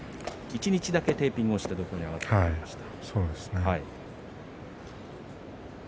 一日だけテーピングをして土俵に上がっていました。